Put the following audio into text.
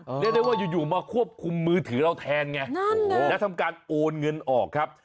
เรียกได้ว่าอยู่มาควบคุมมือถือเราแทนไงแล้วทำการโอนเงินออกครับ